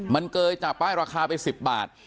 มันเกยจากป้ายราคาไป๑๐บาท